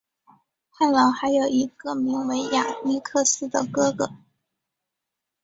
翰劳还有一个名为亚历克斯的哥哥。